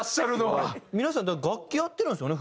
皆さん楽器やってるんですよね？